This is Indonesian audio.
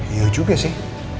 iya juga sih